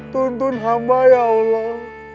tuntun hamba ya allah